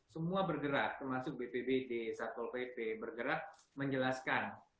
semua bergerak termasuk bpbd satpol pp bergerak menjelaskan